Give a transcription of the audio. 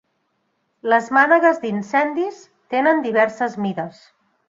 Les mànegues d'incendis tenen diverses mides.